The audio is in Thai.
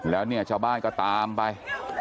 แล้วเนี่ยชาวบ้านก็ตามไป